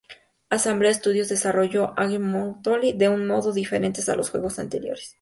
Ensemble Studios desarrolló "Age of Mythology" de un modo diferente a los juegos anteriores.